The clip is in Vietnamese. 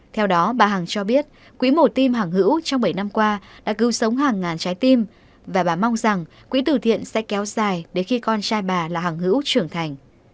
theo đó bà hằng cho biết quỹ mổ tim hàng hữu trong bảy năm qua đã cứu sống hàng ngàn trái tim và bà mong rằng quỹ tử thiện sẽ kéo dài đến khi con trai bà là hàng hữu trưởng thành